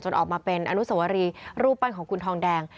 ออกมาเป็นอนุสวรีรูปปั้นของคุณทองแดง